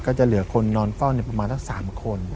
ก็จะเหลือคนนอนเฝ้าประมาณสัก๓คน